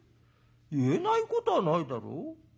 「言えないことはないだろ。